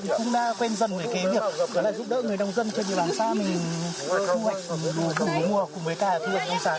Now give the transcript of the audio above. thì cũng đã quen dần với cái việc giúp đỡ người đồng dân trên địa bàn sát mình thu hoạch đủ mùa cùng với cả thu hoạch đồng sát